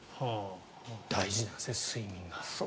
大事なんですね、睡眠は。